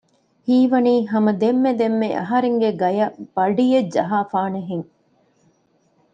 ހީވަނީ ހަމަ ދެންމެ ދެންމެ އަހަރެންގެ ގަޔަށް ބަޑިއެއް ޖަހާފާނެހެން